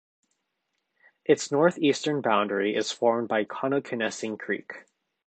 Its northeastern boundary is formed by Connoquenessing Creek.